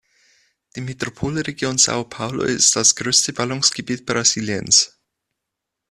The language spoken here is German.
Die Metropolregion São Paulo ist das größte Ballungsgebiet Brasiliens.